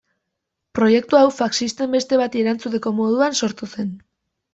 Proiektu hau faxisten beste bati erantzuteko moduan sortu zen.